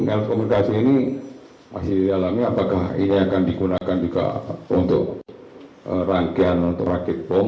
rekomendasi ini masih didalami apakah ini akan digunakan juga untuk rangkaian untuk rakit bom